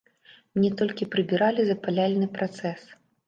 Мне толькі прыбіралі запаляльны працэс.